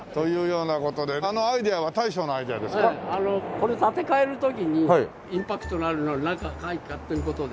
これ建て替える時にインパクトのあるのをなんか描いたらという事で。